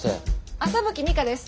麻吹美華です。